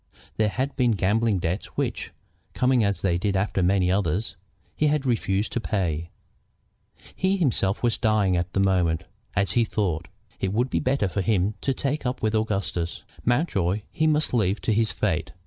There had been gambling debts which, coming as they did after many others, he had refused to pay. He himself was dying at the moment, as he thought. It would be better for him to take up with Augustus. Mountjoy he must leave to his fate.